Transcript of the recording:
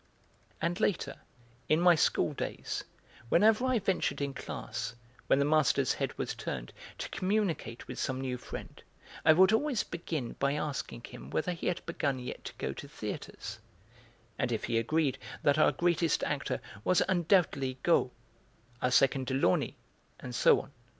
And later, in my schooldays, whenever I ventured in class, when the master's head was turned, to communicate with some new friend, I would always begin by asking him whether he had begun yet to go to theatres, and if he agreed that our greatest actor was undoubtedly Got, our second Delaunay, and so on.